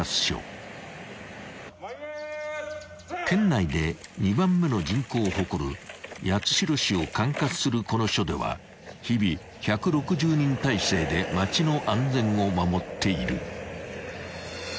［県内で２番目の人口を誇る八代市を管轄するこの署では日々１６０人体制で町の安全を守っている］